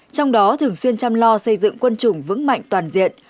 trong đó thường xuyên chăm lo xây dựng quân chủng vững mạnh toàn diện